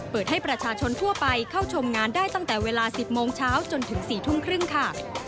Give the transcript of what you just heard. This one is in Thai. เปิดให้ประชาชนทั่วไปเข้าชมงานได้ตั้งแต่เวลา๑๐โมงเช้าจนถึง๔ทุ่มครึ่งค่ะ